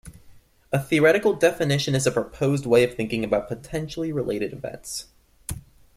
A theoretical definition is a proposed way of thinking about potentially related events.